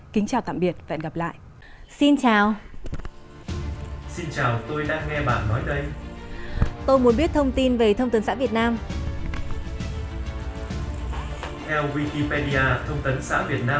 kính chào tạm biệt và hẹn gặp lại